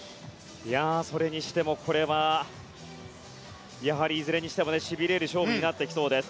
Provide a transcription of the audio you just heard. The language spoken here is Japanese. それにしてもこれはいずれにしてもしびれる勝負になってきそうです。